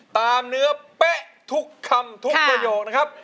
ตามเนื้อเป๊ะทุกคำทุกประโยคนะครับ